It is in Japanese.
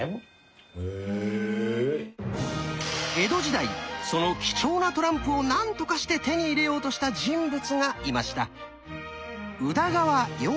江戸時代その貴重なトランプを何とかして手に入れようとした人物がいました。